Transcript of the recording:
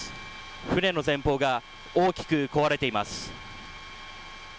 船の前方が大きく壊れています。